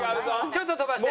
ちょっと飛ばして。